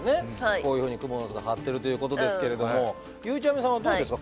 こういうふうにクモの巣が張ってるということですけれどもゆうちゃみさんはどうですか？